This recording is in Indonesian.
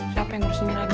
siapa yang ngurusinnya lagi